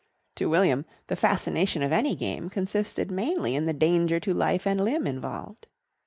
To William the fascination of any game consisted mainly in the danger to life and limb involved.